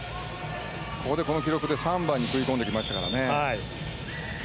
ここの記録で３番に食い込んできましたからね。